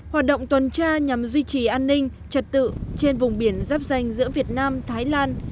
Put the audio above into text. hoạt động tuần tra nhằm duy trì an ninh trật tự trên vùng biển giáp danh giữa việt nam thái lan